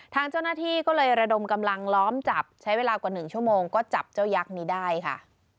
ทางเจ้าหน้าที่ก็เลยระดมกำลังล้อมจับใช้เวลากว่า๑ชั่วโมงก็จับเจ้ายักษ์นี้ได้ค่ะ